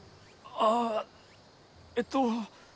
あぁえっと。